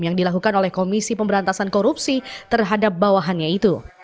yang dilakukan oleh komisi pemberantasan korupsi terhadap bawahannya itu